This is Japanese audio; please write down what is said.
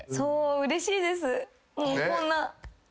うれしいです。